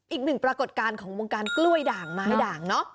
อีกหนึ่งปรากฏการณ์ของวงการกล้วยด่างไม้ด่างเนอะ